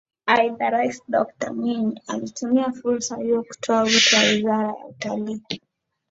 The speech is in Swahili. Aidha Rais Dokta Mwinyi alitumia fursa hiyo kutoa wito kwa Wizara ya Utalii